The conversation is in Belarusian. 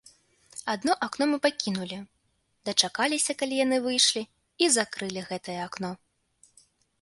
Адно акно мы пакінулі, дачакаліся, калі яны выйшлі, і закрылі гэтае акно.